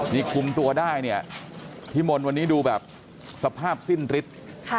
นี่คุมตัวได้เนี่ยพี่มนต์วันนี้ดูแบบสภาพสิ้นฤทธิ์